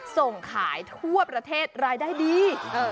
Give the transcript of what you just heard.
ส่งขายทั่วประเทศรายได้ดี